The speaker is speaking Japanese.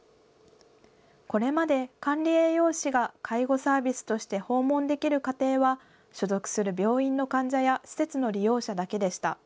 これまで、管理栄養士が介護サービスとして訪問できる家庭は、所属する病院の患者や施設の利用者だけでした。